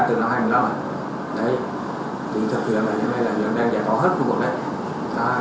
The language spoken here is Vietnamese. thực hiện là hiện nay là dự án đang giải phóng hết khu vực đấy